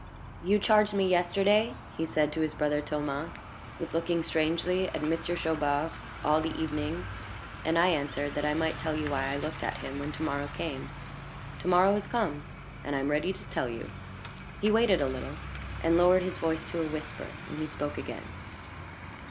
"You charged me yesterday," he said to his brother Thomas, "with looking strangely at Monsieur Chaubard all the evening; and I answered, that I might tell you why I looked at him when to morrow came. To morrow has come, and I am ready to tell you." He waited a little, and lowered his voice to a whisper when he spoke again.